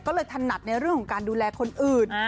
ก็เลยถนัดในเรื่องของการดูแลคนอื่น